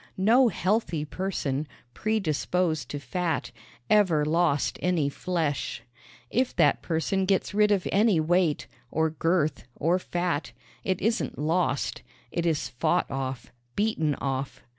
No healthy person, predisposed to fat, ever lost any flesh. If that person gets rid of any weight, or girth, or fat, it isn't lost it is fought off, beaten off.